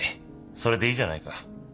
それでいいじゃないか。